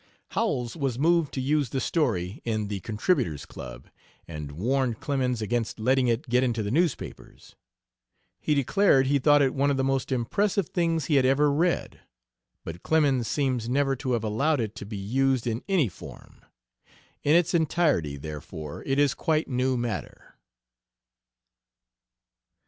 Howells was moved to use the story in the "Contributors' Club," and warned Clemens against letting it get into the newspapers. He declared he thought it one of the most impressive things he had ever read. But Clemens seems never to have allowed it to be used in any form. In its entirety, therefore, it is quite new matter.